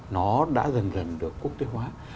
nó đã dần dần được quốc tế hóa